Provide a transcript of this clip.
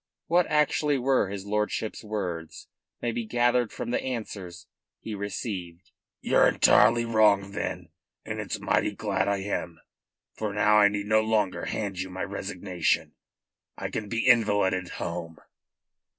What actually were his lordship's words may be gathered from the answer he received. "Ye're entirely wrong, then, and it's mighty glad I am. For now I need no longer hand you my resignation. I can be invalided home."